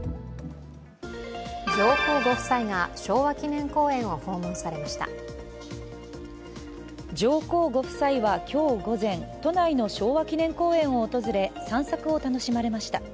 上皇ご夫妻が昭和記念公園を訪問されました上皇ご夫妻は今日午前、都内の昭和記念公園を訪れ、散策を楽しまれました。